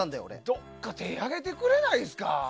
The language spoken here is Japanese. どこか手挙げてくれないですか？